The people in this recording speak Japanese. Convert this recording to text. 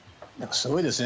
すごいですね。